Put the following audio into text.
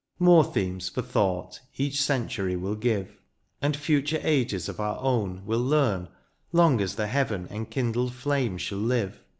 More themes for thought each century will give. And future ages of our own wiU learn : Long as the heaven enkindled flame shall live.